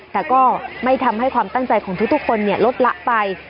แต่ก็ไม่ทำให้ความตั้งใจของทุกคนลดละไป